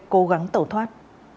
cố gắng tẩu thoát